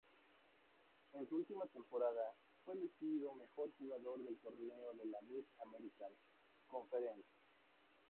En su última temporada fue elegido mejor jugador del torneo de la Mid-American Conference.